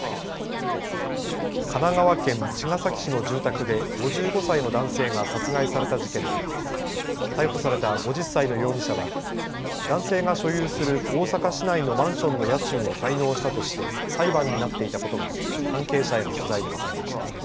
神奈川県茅ヶ崎市の住宅で５５歳の男性が殺害された事件で逮捕された５０歳の容疑者は男性が所有する大阪市内のマンションの家賃を滞納したとして裁判になっていたことが関係者への取材で分かりました。